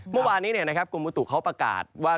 เมื่อวานนี้กรมบุตุเขาประกาศว่า